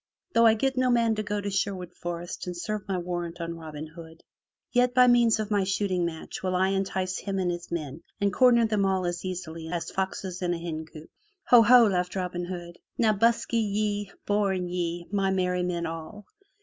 Though I get no man to go to Sherwood Forest and serve my warrant on Robin Hood, yet by means of my shooting match will I entice him and his men, and corner them all as easily as foxes in a hencoop/ " 53 MY BOOK HOUSE "Ho! Ho!" laughed Robin Hood. "Now buskei ye, bowne^ ye, my merry men all.